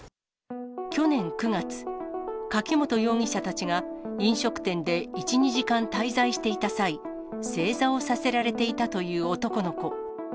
去年９月、柿本容疑者たちが、飲食店で１、２時間滞在していた際、正座をさせられていたという男の子。